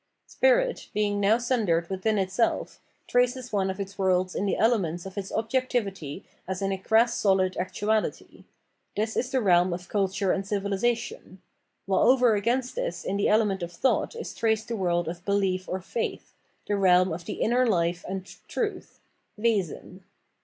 Spirit, being now sundered within itself, traces one of its worlds in the element of its objectivity as in a crass solid actuality ; this is the realm of Culture and Civilisation ; w hil e over against this in the element of thought is traced the world of Belief or Faith, the realm of the Inner Life and Truth (Wesen).